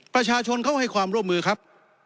ประชาชนเขาให้ความร่วมมือครับ